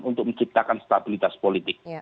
untuk menciptakan stabilitas politik